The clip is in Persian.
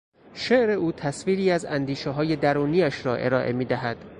شعر او تصویری از اندیشههای درونیاش را ارائه میدهد.